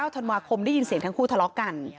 ธันวาคมได้ยินเสียงทั้งคู่ทะเลาะกัน